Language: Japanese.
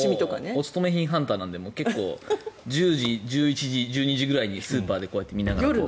お勤め品ハンターなので９時、１０時、１１時ぐらいにスーパーで見ながら。